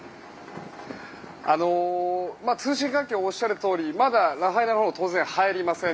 通信環境おっしゃるとおりまだラハイナのほう当然入れません。